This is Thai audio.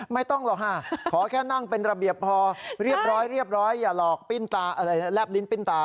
ไม่ต้องหรอกค่ะขอแค่นั่งเป็นระเบียบพอเรียบร้อยเรียบร้อยอย่าหลอกปิ้นตาอะไรแลบลิ้นปิ้นตา